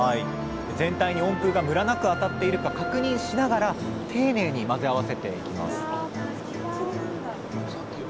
全体に温風がムラなく当たっているか確認しながら丁寧に混ぜ合わせていきます